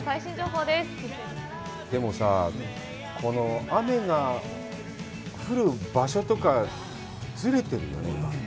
でもさぁ、この雨が降る場所とか、ずれてるよね、今。